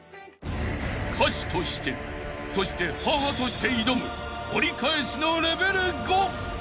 ［歌手としてそして母として挑む折り返しのレベル５］